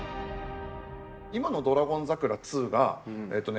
今の「ドラゴン桜２」がえっとね